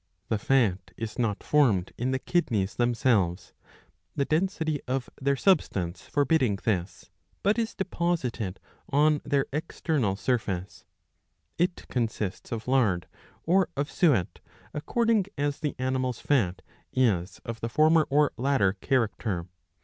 ^* The fat is not formed in the kidneys themselves, the density of their substance forbidding this, but is deposited on their external surface. It consists of lard or of suet, according as the animal's fat is of the former or latter character.